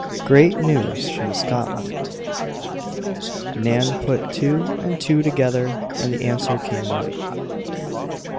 GREAT NEWS FROM SCOTLAND Nan put two and two together, and the answer came right.